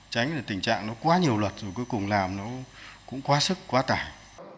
tránh tình trạng nó quá nhiều luật rồi cuối cùng làm nó cũng quá sức quá tải